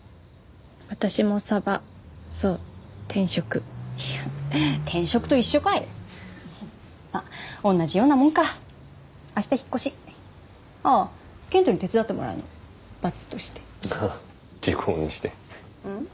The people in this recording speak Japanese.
私もサバそう転職いや転職と一緒かいまあ同じようなもんかあした引っ越しああ健人に手伝ってもらうの罰としてははっ時効にしてん？